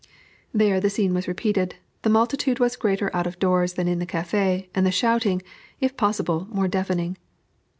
There the scene was repeated; the multitude was greater out of doors than in the café, and the shouting, if possible, more deafening.